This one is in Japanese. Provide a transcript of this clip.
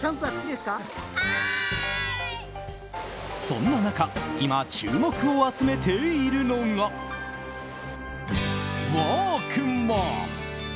そんな中今、注目を集めているのがワークマン。